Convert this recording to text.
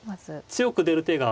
強く出る手がある。